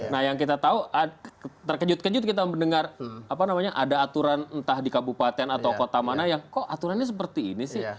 nah yang kita tahu terkejut kejut kita mendengar apa namanya ada aturan entah di kabupaten atau kota mana yang kok aturannya seperti ini sih